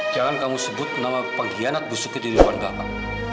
jangan kamu sebut nama pengkhianat busuknya diri bapak